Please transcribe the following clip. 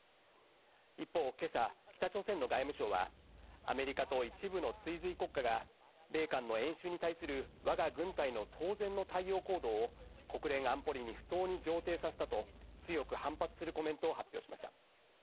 一方今朝、北朝鮮の外務省はアメリカと一部の追随国家が米韓の演習に対するわが軍隊の当然の対応行動を国連安全保理に不当に上程させたと強く反発するコメントを発表しました。